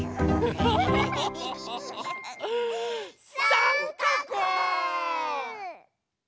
さんかく！